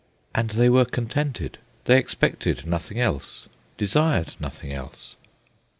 And they were contented. They expected nothing else, desired nothing else.